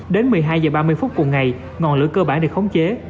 đến một mươi hai h ba mươi phút cùng ngày ngọn lửa cơ bản được khống chế